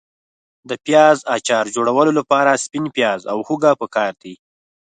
د پیاز اچار جوړولو لپاره سپین پیاز او هوګه پکار دي.